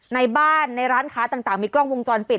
ในบ้านในร้านค้าต่างมีกล้องวงจรปิด